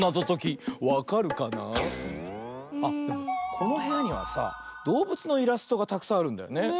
このへやにはさどうぶつのイラストがたくさんあるんだよね。